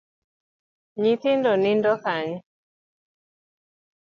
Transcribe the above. Nyithindo nindo kanye?